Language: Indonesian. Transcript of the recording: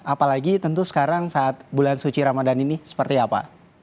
apalagi tentu sekarang saat bulan suci ramadan ini seperti apa